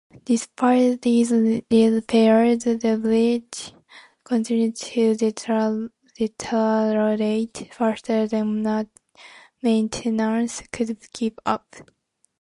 Despite these repairs, the bridge continued to deteriorate faster than maintenance could keep up.